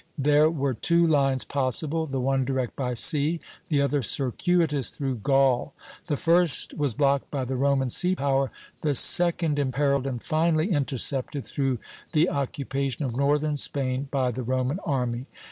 There were two lines possible, the one direct by sea, the other circuitous through Gaul. The first was blocked by the Roman sea power, the second imperilled and finally intercepted through the occupation of northern Spain by the Roman army.